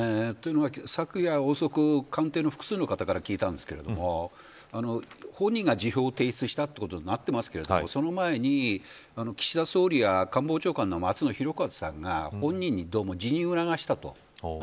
というのは、昨夜遅く官邸の複数の方から聞いたんですけど本人が辞表を提出したということになってますけどもその前に岸田総理や官房長官の松野博一さんが本人にどうも辞任を促したと。